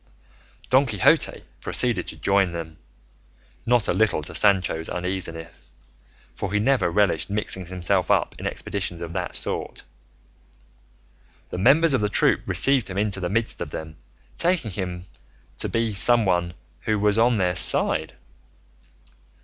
Don Quixote proceeded to join them, not a little to Sancho's uneasiness, for he never relished mixing himself up in expeditions of that sort. The members of the troop received him into the midst of them, taking him to be some one who was on their side.